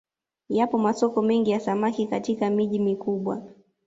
Yapo masoko mengi ya samaki katika miji mikubwa